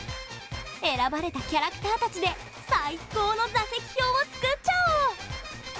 選ばれたキャラクターたちで最高の座席表を作っちゃおう！